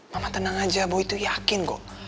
mama tenang aja boy tuh yakin kok